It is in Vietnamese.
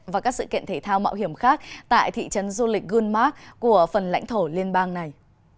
và các sự kiện thể thao mạo hiểm khác tại thị trấn du lịch gulmark của phần lãnh thổ liên bang này